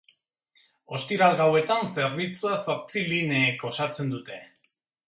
Ostiral gauetan zerbitzua zortzi lineek osatzen dute.